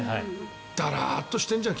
だらーっとしてるじゃん